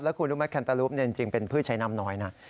คุณรู้ไหมแคนตาลูปจริงเป็นพืชใช้น้ำน้อยนะ